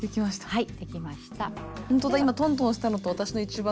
はい。